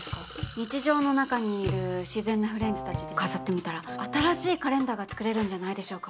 日常の中にいる自然なフレンズたちで飾ってみたら新しいカレンダーが作れるんじゃないでしょうか。